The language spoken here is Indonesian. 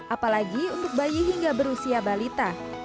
apalagi untuk bayi hingga berusia balita